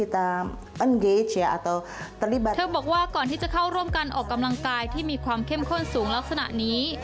เธอบอกว่าก่อนที่จะเข้าร่วมการออกกำลังกายที่มีความเข้มข้นสูงลักษณะนี้